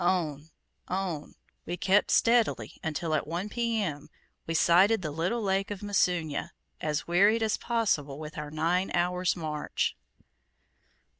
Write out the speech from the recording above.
On, on, we kept steadily until, at 1 P.M., we sighted the little lake of Musunya, as wearied as possible with our nine hours march.